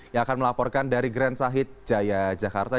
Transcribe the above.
yang akan melaporkan dari grand sahit jaya jakarta